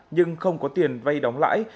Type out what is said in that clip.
nhưng không có tiền vay đóng lãi